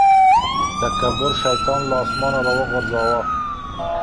تکبر شيطان له اسمانه راوغورځاوه.